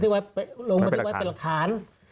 ลงบันทึกประจำวันเป็นหลักฐาน